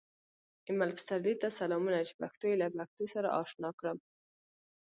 ایمل پسرلي ته سلامونه چې پښتو یې له پښتو سره اشنا کړم